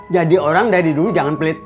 jadi orang dari dulu jangan pelit pelit